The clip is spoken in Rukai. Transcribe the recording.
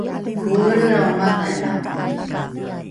poelrelrao madhalame